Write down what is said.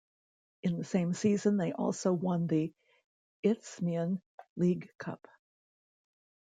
In the same season they also won the Isthmian League Cup.